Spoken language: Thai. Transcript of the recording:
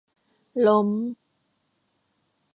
ล้ม